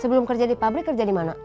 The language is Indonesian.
sebelum kerja di pabrik kerja di mana